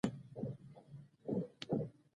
د عربو دا چلند خوند نه راکوي.